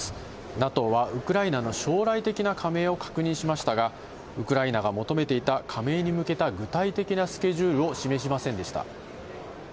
ＮＡＴＯはウクライナの将来的な加盟を確認しましたが、ウクライナが求めていた加盟に向けた具体的なスケジュールを示しませんでした。